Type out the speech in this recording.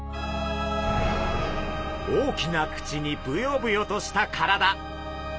大きな口にブヨブヨとした体。